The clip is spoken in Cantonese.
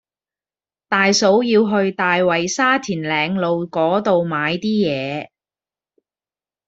大嫂要去大圍沙田嶺路嗰度買啲嘢